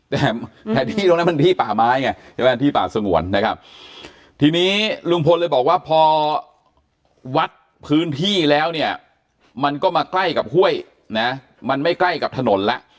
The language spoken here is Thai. แต่ที่ตรงนั้นมันที่ป่าไม้ไงใช่ไหมที่ป่าสงวนนะครับทีนี้ลุงพลเลยบอกว่าพอวัดพื้นที่แล้วเนี่ยมันก็มาใกล้กับห้วยนะมันไม่ใกล้กับถนนแล้ว